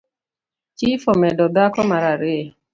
Chif omedo dhako mara ariyo.